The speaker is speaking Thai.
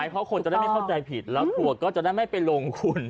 เพราะคนจะได้ไม่เข้าใจผิดแล้วทัวร์ก็จะได้ไม่ไปลงทุน